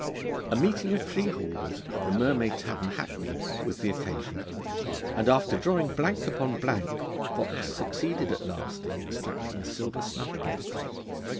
A meeting of freeholders at the 'Mermaid Tavern,' Hackney, was the occasion, and after drawing blank upon blank, Vaux succeeded at last in extracting a silver snuff box.